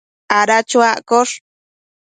ada chuaccosh